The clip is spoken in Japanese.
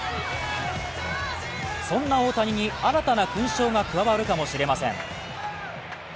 そんな大谷に新たな勲章が加わるかもしれません。